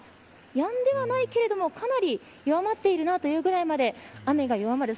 やんではないけどもかなり弱まっているなというぐらいまで雨が弱まる。